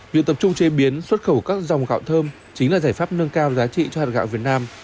việc tập trung chế biến xuất khẩu các dòng gạo thơm chính là giải pháp nâng cao giá trị cho hạt gạo việt nam